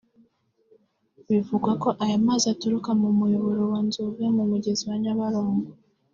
Bivugwa ko aya mazi aturuka ku Muyoboro wa Nzove ku Mugezi wa Nyabarongo